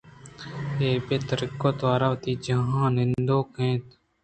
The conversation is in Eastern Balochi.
آ بے ترٛک ءُتوار ءَ وتی جاہاں نندوک اِت اَنت